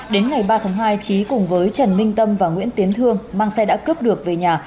đến ngày ba tháng hai trí cùng với trần minh tâm và nguyễn tiến thương mang xe đã cướp được về nhà